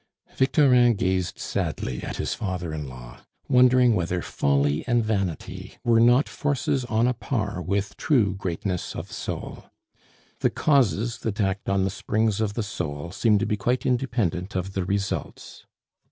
Victorin gazed sadly at his father in law, wondering whether folly and vanity were not forces on a par with true greatness of soul. The causes that act on the springs of the soul seem to be quite independent of the results.